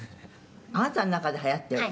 「あなたの中ではやってるの？」